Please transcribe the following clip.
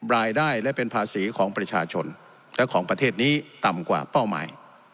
รายได้และเป็นภาษีของประชาชนและของประเทศนี้ต่ำกว่าเป้าหมาย